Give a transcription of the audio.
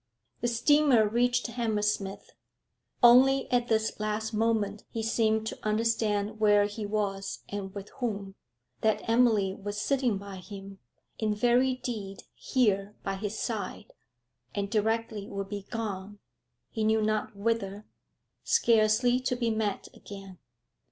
The steamer reached Hammersmith. Only at this last moment he seemed to understand where he was and with whom, that Emily was sitting by him, in very deed here by his side, and directly would be gone he knew not whither scarcely to be met again.